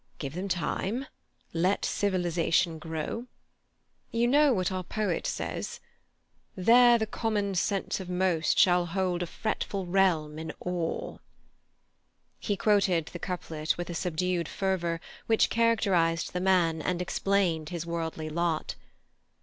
Give them time; let civilization grow. You know what our poet says: "There the common sense of most shall hold a fretful realm in awe—"" He quoted the couplet with a subdued fervour which characterized the man and explained his worldly lot.